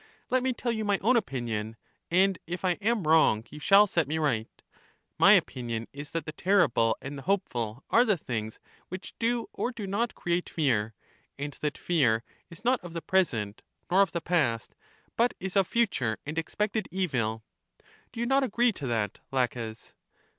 Let me tell you my own opinion, and if I am wrong you shall set me right : my opinion is that the terrible and the hopeful are the things which do or do not create fear, and that fear is not of the present, nor of the past, but is of future and expected evil. Do you not agree to that. Laches?